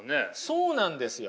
そうなんですよ。